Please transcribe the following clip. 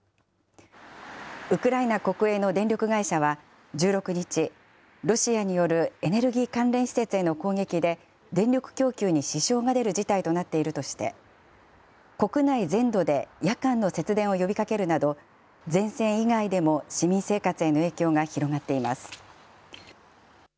ウクライナ国営の電力会社は、１６日、ロシアによるエネルギー関連施設への攻撃で、電力供給に支障が出る事態となっているとして、国内全土で夜間の節電を呼びかけるなど、前線以外でも市民生活への影響が広がっています。